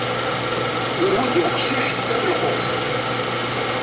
Yurew-d uqcic tafelquqt.